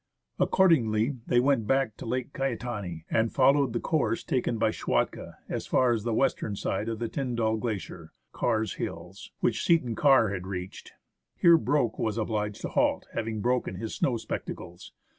Accordingly, they went back to Lake Caetani, and followed the course taken by Schwatka as far as the western side of the Tyndall Glacier (Karr's Hills), which Seton Karr had reached. Here Broke was obliged to halt, having broken his snow spectacles.